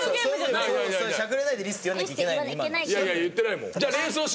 しゃくれないで「リス」って言わなきゃいけないの今の。